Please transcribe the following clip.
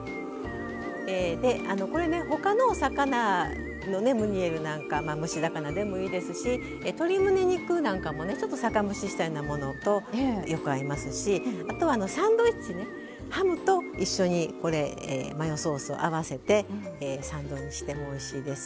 これほかの魚のムニエルなんか蒸し魚でもいいですし鶏むね肉なんかも酒蒸ししたようなものとよく合いますしあとはサンドイッチハムと一緒にマヨソースを合わせてサンドにしてもおいしいです。